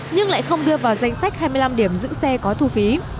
nhưng lại không đưa vào danh sách hai mươi năm điểm giữ xe có thu phí